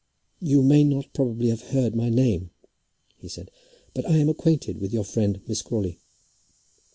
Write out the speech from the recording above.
"You may not probably have heard my name," he said, "but I am acquainted with your friend, Miss Crawley."